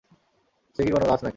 সে কি কোনও গাছ নাকি?